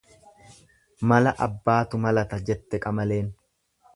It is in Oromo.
Mala abbaatu malata jette qamaleen.